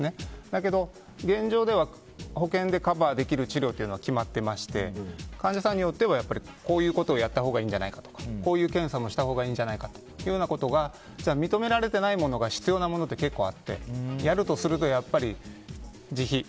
だけど現状では保険でカバーできる治療というのは決まっていまして患者さんによってはこういうことをやったほうがいいんじゃないかとかこういう検査もしたほうがいいんじゃないかとか認められてないものが必要なものって結構あって、やるとすると自費。